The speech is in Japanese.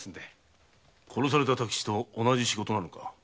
殺された多吉と同じ仕事なのか？